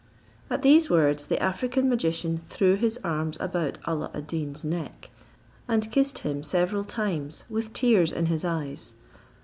At these words, the African magician threw his arms about Alla ad Deen's neck, and kissed him several times with tears in his eyes.